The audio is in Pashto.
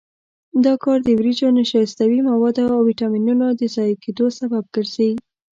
دا کار د وریجو د نشایستوي موادو او ویټامینونو د ضایع کېدو سبب ګرځي.